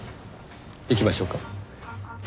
行きましょうか。